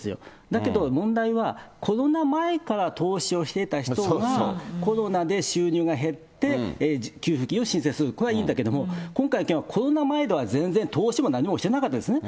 だけど問題は、コロナ前から投資をしていた人がコロナで収入が減って、給付金を申請する、これはいいんだけど、今回の件はコロナ前には全然投資も何もしてなかったんですね。